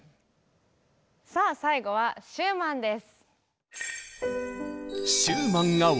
さあ最後はシューマンです。